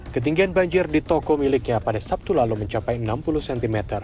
ketinggian banjir di toko miliknya pada sabtu lalu mencapai enam puluh cm